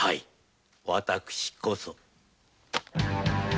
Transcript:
私こそ。